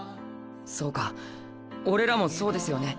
そうか俺らもそうですよね。